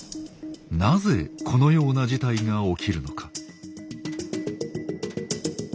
なぜこのような事態が起きるのか？